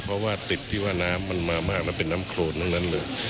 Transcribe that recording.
เพราะว่าติดที่ว่าน้ำมันมามากแล้วเป็นน้ำโครนทั้งนั้นเลย